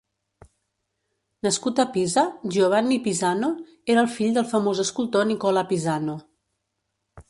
Nascut a Pisa, Giovanni Pisano era el fill del famós escultor Nicola Pisano.